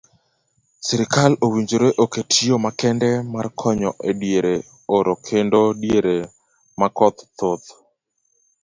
Sirikal owinjore oket yoo makende mar konyo ediere oro kendo diere ma koth thoth.